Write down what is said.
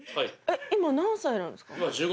今何歳なんですか？